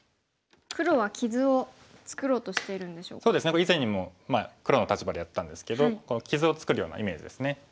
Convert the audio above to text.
これ以前にも黒の立場でやったんですけど傷を作るようなイメージですね。